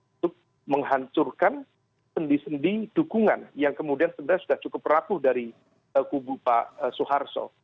untuk menghancurkan sendi sendi dukungan yang kemudian sebenarnya sudah cukup rapuh dari kubu pak soeharto